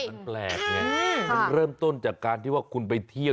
มันแปลกไงมันเริ่มต้นจากการที่ว่าคุณไปเที่ยว